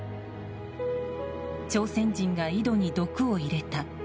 朝鮮人が井戸に毒を入れた。